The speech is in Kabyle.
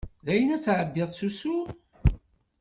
Dayen ad tεeddiḍ s usu?